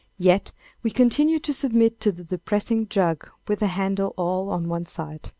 Yet we continue to submit to the depressing jug with the handle all on one side.